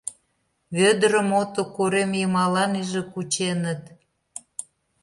Вӧдырым ото корем йымалан иже кученыт.